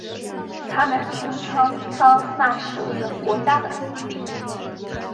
他们声称当那是为了国家的私利。